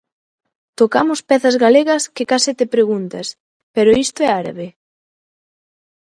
Tocamos pezas galegas que case te preguntas: Pero isto é árabe?